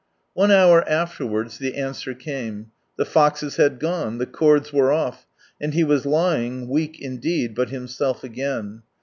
One hour afterwards the Answer came. The "foxes" had gone, the cords were off, and he was lying, weak indeed, but himself again.